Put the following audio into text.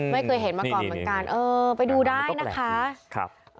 ไม่เคยเห็นมาก่อนเหมือนกันเออไปดูได้นะคะ